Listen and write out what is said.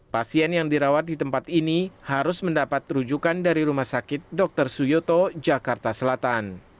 pasien yang dirawat di tempat ini harus mendapat rujukan dari rumah sakit dr suyoto jakarta selatan